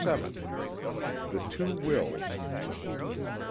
VII. THE TWO WILLS.